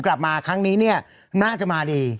กลับมาครั้งนี้เนี่ยน่าจะมาดี